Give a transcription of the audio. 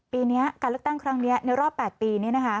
ปีนี้การเลือกตั้งครั้งนี้ในรอบ๘ปี